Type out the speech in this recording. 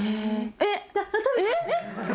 えっ？